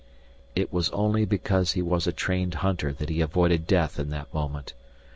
It was only because he was a trained hunter that he avoided death in that moment.